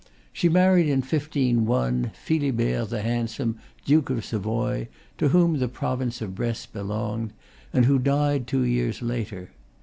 She married in 1501 Philibert the Handsome, Duke of Savoy, to whom the province of Bresse be longed, and who died two years later.